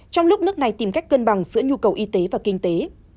trong lúc nước này tìm cách cân bằng giữa nhu cầu y tế và kinh tế